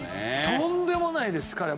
とんでもないです彼は。